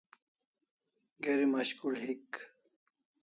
Geri mashkul hik